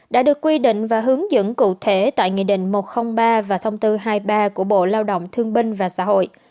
đã được quy định và hướng dẫn cụ thể tại nghị định một trăm linh ba và thông tư hai mươi ba của bộ lao động thương binh và xã hội